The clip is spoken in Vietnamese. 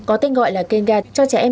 có tên gọi là kenga cho trẻ em